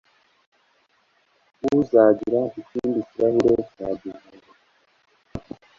Uzagira ikindi kirahure cya divayi?